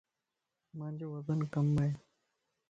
مانجو وزن ڪم ائي.